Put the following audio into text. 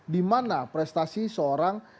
dimana prestasi seorang